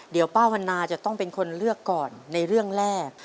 เดี๋ยวป้าวันนาจะต้องเป็นคนเลือกก่อนในเรื่องแรก